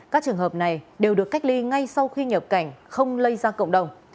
các trường hợp này đều được cách ly ngay sau khi nhập cảnh không lây ra cộng đồng